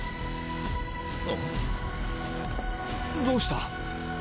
どうした？